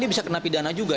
dia bisa kena pidana juga